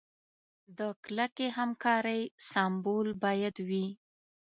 د کلکې همکارۍ سمبول باید وي.